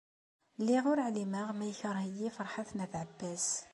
Lliɣ ur ɛlimeɣ ma ikreh-iyi Ferḥat n At Ɛebbas.